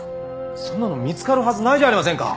そんなの見つかるはずないじゃありませんか。